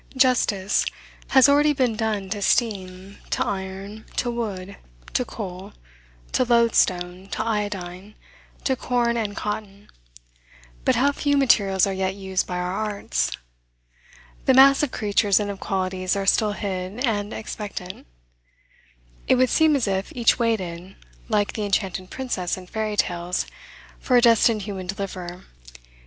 Justice has already been done to steam, to iron, to wood, to coal, to loadstone, to iodine, to corn, and cotton; but how few materials are yet used by our arts! The mass of creatures and of qualities are still hid and expectant. It would seem as if each waited, like the enchanted princess in fairy tales, for a destined human deliverer.